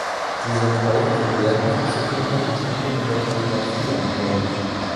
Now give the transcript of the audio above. Sie sind häufig in Lehrbüchern zu finden und spielen in der Kalligrafie eine Rolle.